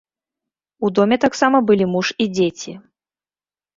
У доме таксама былі муж і дзеці.